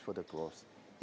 berada di dalam perkembangan